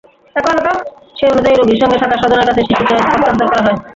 সেই অনুযায়ী রোগীর সঙ্গে থাকা স্বজনের কাছে শিশুকে হস্তান্তর করা হয়।